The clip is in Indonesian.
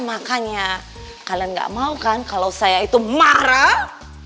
makanya kalian gak mau kan kalau saya itu marah